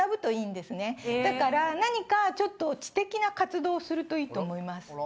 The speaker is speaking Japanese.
だから何かちょっと知的な活動をするといいと思います。